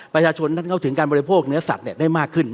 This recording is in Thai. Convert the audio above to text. ประชาชนท่านเข้าถึงการบริโภคเนื้อสัตว์ได้มากขึ้น